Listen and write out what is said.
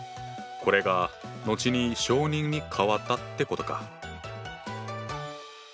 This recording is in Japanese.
これが後に小人に変わったってことか。